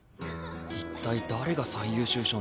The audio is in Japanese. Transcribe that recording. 一体誰が最優秀賞なんだ？